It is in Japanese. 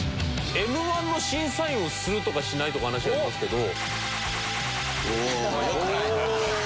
Ｍ−１の審査員をするとかしないとか話ありますけど。